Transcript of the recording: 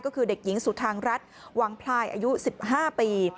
ก็คือเด็กหญิงสุธางรัฐหวังพลายอายุ๑๕ปี